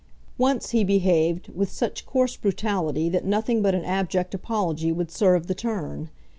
Once he behaved with such coarse brutality that nothing but an abject apology would serve the turn.